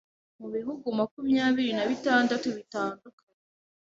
mu bihugu makumyabiri nabitandtu bitandukanye